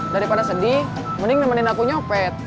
daripada sedih mending nemenin aku nyopet